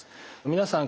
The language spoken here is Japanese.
皆さん